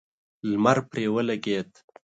لمر پرې ولګېد.